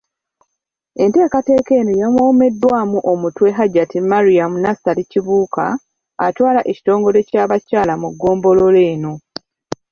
Enteekateeka eno yawoomeddwamu omutwe Hajjat Mariam Nassali Kibuuka, atwala ekitongole ky'abakyala mu ggombolola eno.